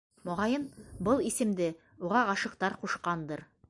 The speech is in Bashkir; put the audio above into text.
Моғайын, был исемде уға ғашиҡтар ҡушҡандыр.